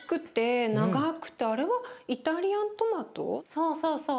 そうそうそう。